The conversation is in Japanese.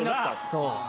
そう。